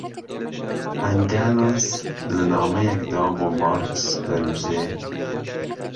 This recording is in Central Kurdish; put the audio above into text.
ئەنگەڵس لە نامەیەیەکدا بۆ مارکس دەنووسێ